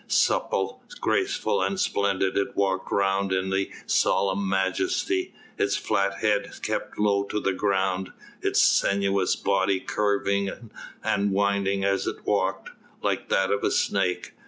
Supple, graceful and splendid it walked round in solemn majesty, its flat head kept low to the ground, its sinuous body curving and winding as it walked, like that of a snake.